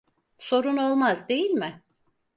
Sorun olmaz, değil mi?